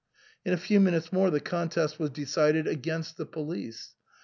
In a few minutes more the contest was decided against the police.